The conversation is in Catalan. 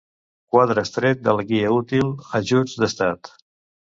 Quadre extret de la guia útil 'Ajuts d'Estat'